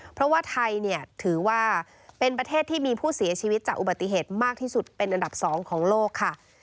เพราะว่าไทยเนี่ยถือว่าเป็นประเทศที่มีผู้เสียชีวิตจากอุบัติเหตุมากที่สุดเป็นอันดับ๒ของโลกค่ะ